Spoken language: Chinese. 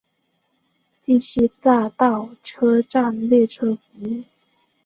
第七大道车站列车服务。